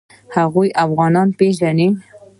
آیا هغوی افغانۍ پیژني؟